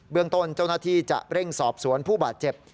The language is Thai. เรื่องต้นเจ้าหน้าที่จะเร่งสอบสวนผู้บาดเจ็บ